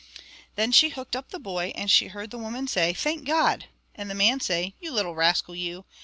Then she hooked up the boy, and she heard the woman say "Thank God!" and the man say "You little rascal, you!"